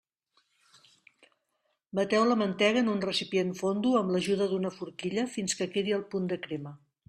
Bateu la mantega en un recipient fondo, amb l'ajuda d'una forquilla, fins que quedi al punt de crema.